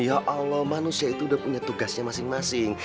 ya allah manusia itu udah punya tugasnya masing masing